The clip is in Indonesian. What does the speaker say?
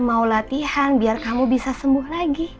mau latihan biar kamu bisa sembuh lagi